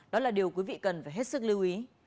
đó là điều quý vị cần phải hết sức lưu ý